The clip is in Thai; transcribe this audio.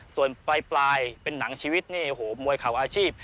ส่วนปลายเป็นหนังชีวิตมวยเข่าอาชีพ